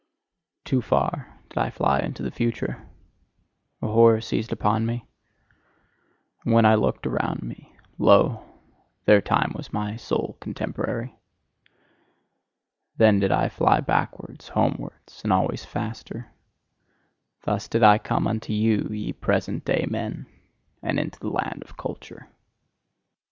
Too far did I fly into the future: a horror seized upon me. And when I looked around me, lo! there time was my sole contemporary. Then did I fly backwards, homewards and always faster. Thus did I come unto you, ye present day men, and into the land of culture.